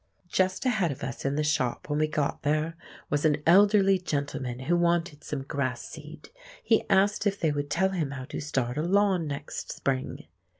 Just ahead of us in the shop, when we got there, was an elderly gentleman who wanted some grass seed; he asked if they would tell him how to start a lawn next spring.